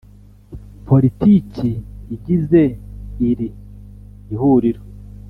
Politiki igize iri Ihuriro